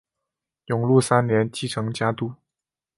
永禄三年继承家督。